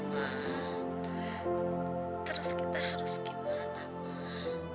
ma terus kita harus gimana ma